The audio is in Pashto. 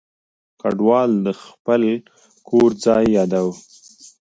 کډوال د خپل کور ځای یاداوه.